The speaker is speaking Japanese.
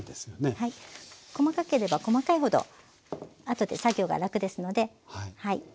細かければ細かいほどあとで作業が楽ですのではい。